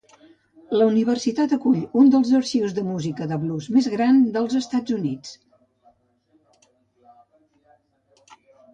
La universitat acull un dels arxius de música de blues més grans dels Estats Units.